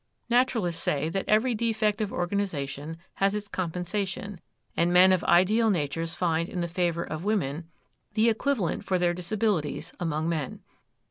Naturalists say that every defect of organization has its compensation, and men of ideal natures find in the favour of women the equivalent for their disabilities among men.